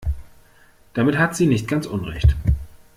Damit hat sie nicht ganz Unrecht.